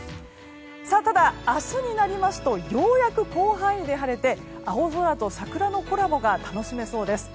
ただ、明日になりますとようやく広範囲で晴れて青空と桜のコラボが楽しめそうです。